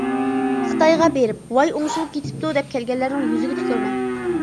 خىتايغا بېرىپ، «ۋاي ئوڭشىلىپ كېتىپتۇ!» دەپ كەلگەنلەرنىڭ يۈزىگە تۈكۈرىمەن.